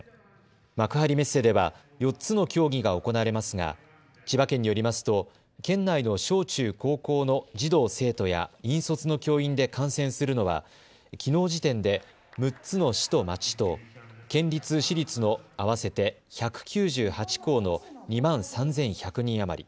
幕張メッセでは４つの競技が行われますが千葉県によりますと県内の小中高校の児童・生徒や引率の教員で観戦するのはきのう時点で６つの市と町と県立、私立の合わせて１９８校の２万３１００人余り。